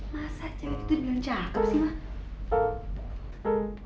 masa cewek itu dibilang cakep sih mah